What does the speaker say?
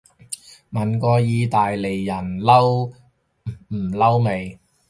問過意大利人嬲唔嬲未